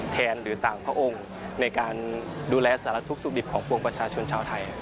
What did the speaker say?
หรือต่างพระองค์ในการดูแลสารทุกข์สุขดิบของปวงประชาชนชาวไทย